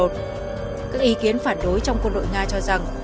các ý kiến phản đối trong quân đội nga cho rằng